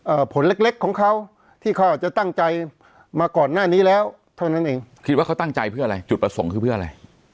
ผลเล็กเล็กของเขาที่เขาจะตั้งใจมาก่อนหน้านี้แล้วเท่านั้นเองคิดว่าเขาตั้งใจเพื่ออะไรจุดประสงค์คือเพื่ออะไร